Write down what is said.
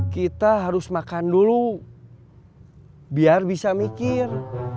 kita harus makan dulu biar bisa mikir